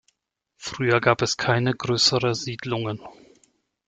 Früher gab es keine grössere Siedlungen.